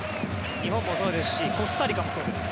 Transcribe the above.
日本もそうですしコスタリカもそうです。